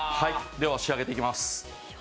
仕上げていきます